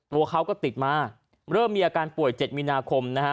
ตัวเขาก็ติดมาเริ่มมีอาการป่วย๗มีนาคมนะฮะ